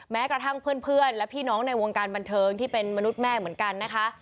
แม้กระทั่งเพื่อนและพี่น้องในวงการบันเทิงที่เป็นมนุษย์แม่เหมือนกันนะคะ